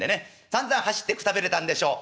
さんざん走ってくたびれたんでしょう。